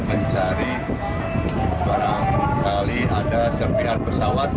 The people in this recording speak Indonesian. mencari barangkali ada serpihan pesawat